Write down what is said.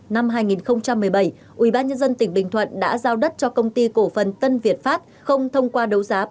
năm hai nghìn một mươi bảy ubnd tỉnh bình thuận đã giao đất cho công ty cổ phần tân việt pháp không thông qua đấu giá